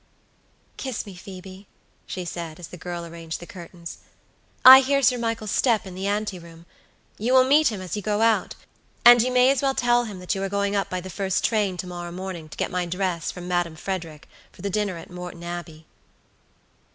"Kiss me, Phoebe," she said, as the girl arranged the curtains. "I hear Sir Michael's step in the anteroom; you will meet him as you go out, and you may as well tell him that you are going up by the first train to morrow morning to get my dress from Madam Frederick for the dinner at Morton Abbey."